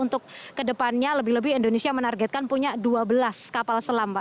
untuk kedepannya lebih lebih indonesia menargetkan punya dua belas kapal selam pak